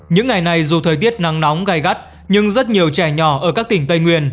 những ngày này dù thời tiết nắng nóng gai gắt nhưng rất nhiều trẻ nhỏ ở các tỉnh tây nguyên